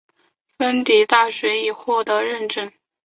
蒂芬大学已获得认证。